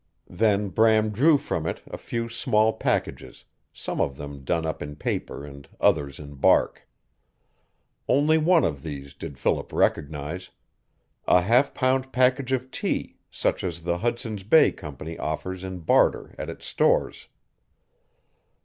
Then Bram drew from it a few small packages, some of them done up in paper and others in bark. Only one of these did Philip recognize a half pound package of tea such as the Hudson's Bay Company offers in barter at its stores.